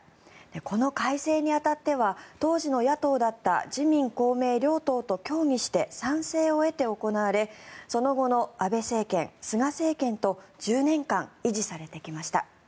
この改正に当たっては当時の野党だった自民・公明両党と協議して賛成を得て行われその後の安倍政権、菅政権と１０年間維持されてきました。